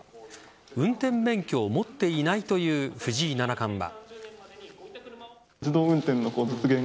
運転免許を持っていないという藤井七冠は。